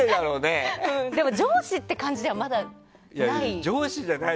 でも、上司って感じではまだない。